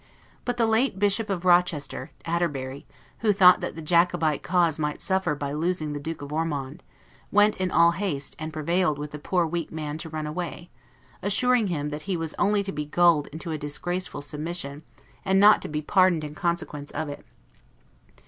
But the late Bishop of Rochester, Atterbury, who thought that the Jacobite cause might suffer by losing the Duke of Ormond, went in all haste, and prevailed with the poor weak man to run away; assuring him that he was only to be gulled into a disgraceful submission, and not to be pardoned in consequence of it.